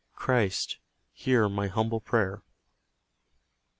Christ, hear my humble prayer!